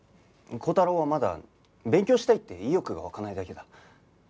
高太郎はまだ勉強したいって意欲が湧かないだけだ。